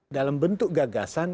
dalam bentuk gagasan